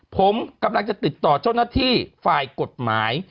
ผมกำลังจะติดต่อเจ้าหน้าที่ฝ่ายกฎหมาย